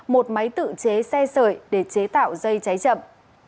một máy tự chế xe sợi để chế tạo dây cháy chậm